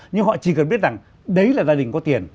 nhưng họ chỉ cần biết rằng đấy là gia đình có tiền